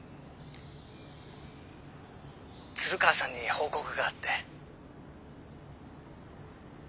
鶴川さんに報告があって。